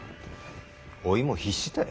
おいも必死たい。